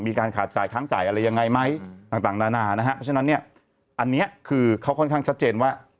มีการขาดจ่ายค้างจ่ายอะไรยังไงไหมต่างนานานะฮะเพราะฉะนั้นเนี่ยอันนี้คือเขาค่อนข้างชัดเจนว่า